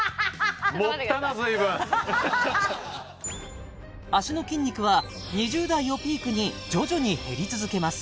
盛ったなずいぶん脚の筋肉は２０代をピークに徐々に減り続けます